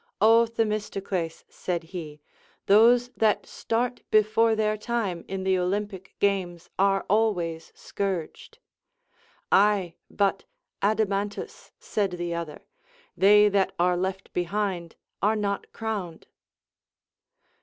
Ο Themistocles, said he, those that start before their time in the Olympic games are always scourged. Aye ; but, Adimantus, said the other, they that are left behind are not crowned.